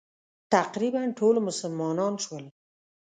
تقریباً ټول مسلمانان شول.